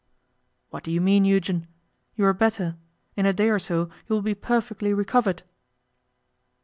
'What do you mean, Eugen? You are better. In a day or so you will be perfectly recovered.